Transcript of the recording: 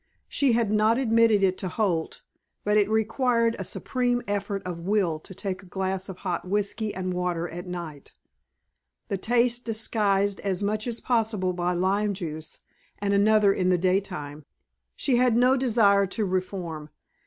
She had not admitted it to Holt, but it required a supreme effort of will to take a glass of hot whiskey and water at night, the taste disguised as much as possible by lime juice, and another in the daytime. She had no desire to reform!